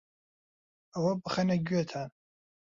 ئەوە بخەنە گوێتان